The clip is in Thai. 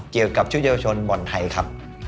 เกี่ยวกับชุดเยาวชนบ่อนไทยครับ